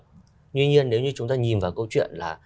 tuy nhiên nếu như chúng ta nhìn vào câu chuyện là